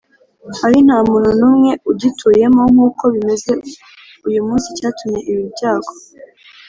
ari nta muntu n umwe ugituyemo nk uko bimeze uyu munsi Icyatumye ibi byago